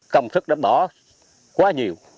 công thức đã bỏ quá nhiều